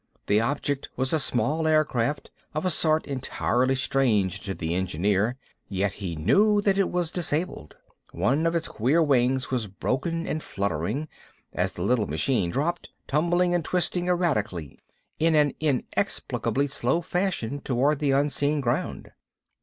The object was a small air craft, of a sort entirely strange to the engineer; yet he knew that it was disabled. One of its queer wings was broken and fluttering, as the little machine dropped, tumbling and twisting erratically, in an inexplicably slow fashion toward the unseen ground.